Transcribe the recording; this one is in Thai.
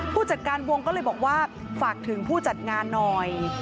ผู้จัดการวงก็เลยบอกว่าฝากถึงผู้จัดงานหน่อย